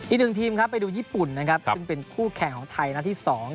อีกหนึ่งทีมครับไปดูญี่ปุ่นนะครับซึ่งเป็นคู่แข่งของไทยนัดที่๒